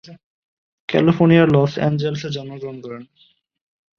ক্যালিফোর্নিয়ার লস অ্যাঞ্জেলেসে জন্মগ্রহণ করেন।